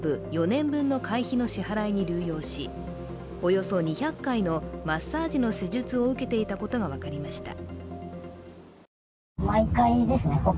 ４年分の会費の支払いに流用し、およそ２００回のマッサージの施術を受けていたことが分かりました。